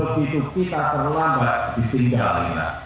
begitu kita terlambat ditinggalin